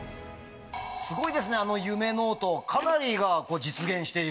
・すごいですねあの夢ノートかなりが実現している。